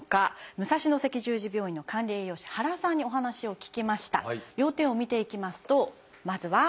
武蔵野赤十字病院の管理栄養士原さんにお話を聞きました。